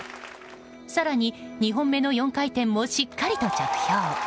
更に、２本目の４回転もしっかりと着氷。